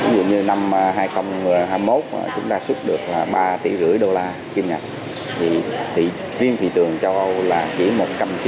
vì như năm hai nghìn hai mươi một chúng ta xuất được ba tỷ rưỡi đô la kim ngạc thì viên thị trường cho eu là chỉ một trăm chín mươi ba tỷ